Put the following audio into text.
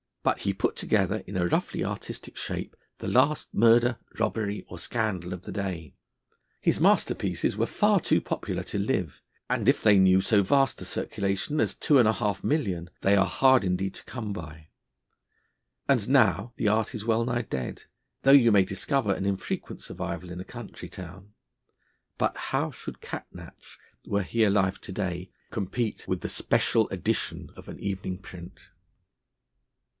But he put together in a roughly artistic shape the last murder, robbery, or scandal of the day. His masterpieces were far too popular to live, and if they knew so vast a circulation as 2,500,000 they are hard indeed to come by. And now the art is wellnigh dead; though you may discover an infrequent survival in a country town. But how should Catnach, were he alive to day, compete with the Special Edition of an evening print?